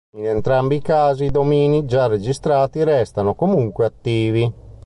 In entrambi i casi i domini già registrati restano comunque attivi.